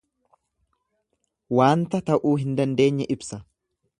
Waanta ta'uu hin dandeenye ibsa.